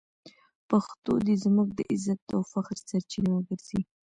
پښتو دې زموږ د عزت او فخر سرچینه وګرځي.